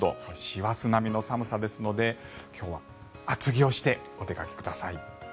師走並みの寒さですので今日は厚着をしてお出かけください。